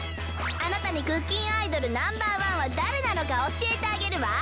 あなたにクッキンアイドルナンバーワンはだれなのかおしえてあげるわ。